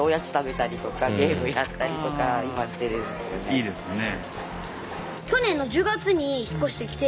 いいですね。